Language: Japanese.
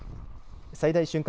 最大瞬間